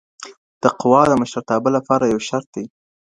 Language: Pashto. تقوی د مشرتابه لپاره يو شرط دی.